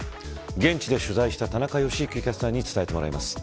現地で取材した田中良幸キャスターに伝えてもらいます。